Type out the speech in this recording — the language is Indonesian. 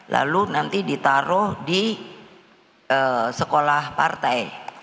lalu nanti ditaruh di sekolah partai